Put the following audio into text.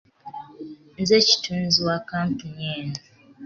Nze kitunzi wa kkampuni eno.